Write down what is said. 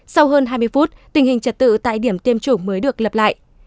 sau hơn hai mươi phút tình hình trật tự tại điểm tiêm chủng mới được lập lại